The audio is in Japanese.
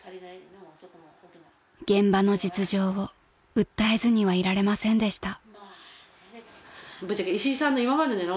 ［現場の実情を訴えずにはいられませんでした］